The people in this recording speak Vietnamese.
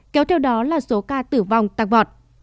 kéo theo đó là số ca tử vong tăng vọt